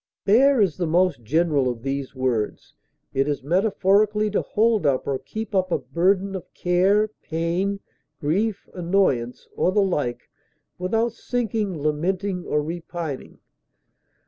Bear is the most general of these words; it is metaphorically to hold up or keep up a burden of care, pain, grief, annoyance, or the like, without sinking, lamenting, or repining.